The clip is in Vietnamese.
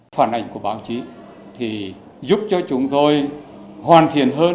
phản ảnh của báo chí thì giúp cho chúng tôi hoàn thiện hơn